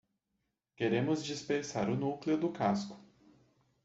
Queremos dispersar o núcleo do casco.